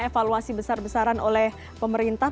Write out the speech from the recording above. evaluasi besar besaran oleh pemerintah